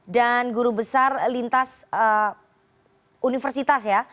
dan guru besar lintas universitas ya